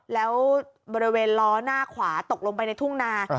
แล้วบริเวณล้อหน้าขวาตกลงไปในทุ่งนา